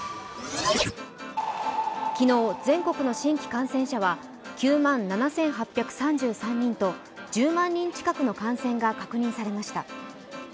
昨日、全国の新規感染者は９万７８３３人と１０万人近くの感染が確認されました。